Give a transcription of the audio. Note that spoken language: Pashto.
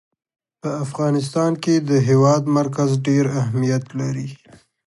په افغانستان کې د هېواد مرکز ډېر اهمیت لري.